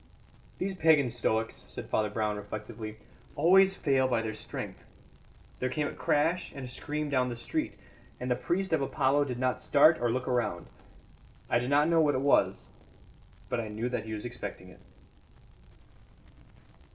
"These pagan stoics," said Brown reflectively, "always fail by their strength. There came a crash and a scream down the street, and the priest of Apollo did not start or look round. I did not know what it was. But I knew that he was expecting it."